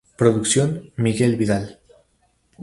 Producción: Miguel Vidal.